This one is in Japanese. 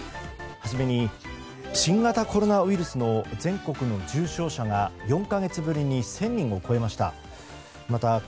初めに新型コロナウイルスの全国の重症者が４か月ぶりに１０００人を超えました。